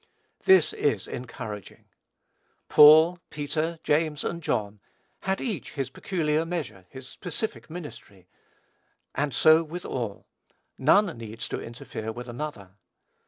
This is encouraging. Paul, Peter, James, and John, had each his peculiar measure, his specific ministry; and so with all: none needs to interfere with another.